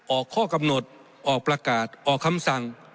ออกข้อกำหนดออกประกาศออกคำสั่ง